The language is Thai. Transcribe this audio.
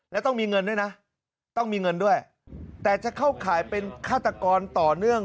แล้วต้องมีเงินด้วยนะต้องมีเงินด้วยแต่จะเข้าข่ายเป็นฆาตกรต่อเนื่อง